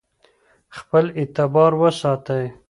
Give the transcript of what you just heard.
خپل اعتبار وساتئ.